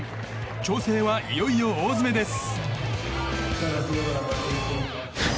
調整は、いよいよ大詰めです。